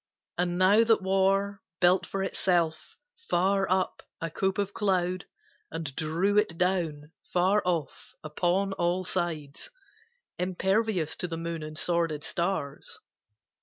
And now that war Built for itself, far up, a cope of cloud, And drew it down, far off, upon all sides, Impervious to the moon and sworded stars.